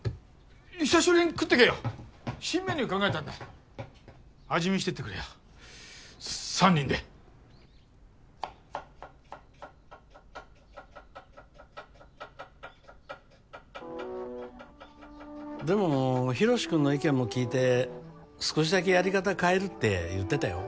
久しぶりに食ってけよ新メニュー考えたんだ味見してってくれよ三人ででも洋くんの意見も聞いて少しだけやり方変えるって言ってたよ